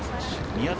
宮崎